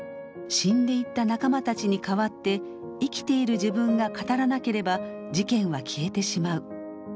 死んでいった仲間たちに代わって「生きている自分が語らなければ事件は消えてしまう」。